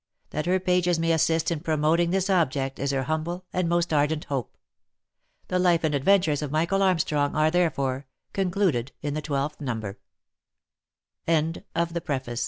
That her pages may assist in promoting this object is her humble and most ardent hope. " The Life and Adventures of Michael Armstrong" are, therefore, concluded in the twelfth number. CONTENTS.